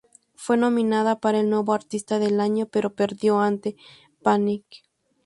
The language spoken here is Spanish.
Fue nominado para el "Nuevo Artista del Año", pero perdió ante Panic!